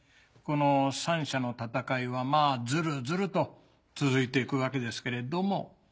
この三者の戦いはずるずると続いて行くわけですけれども。